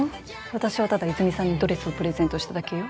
私はただ泉さんにドレスをプレゼントしただけよ。